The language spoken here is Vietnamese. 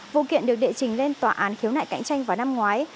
vụ kiện được địa trình lên tòa án khiếu nại cạnh tranh vào năm ngoái